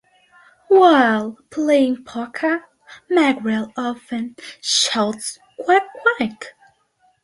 While playing poker, Magriel often shouts Quack quack!